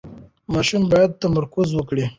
ماشومان باید تمرکز وکړي.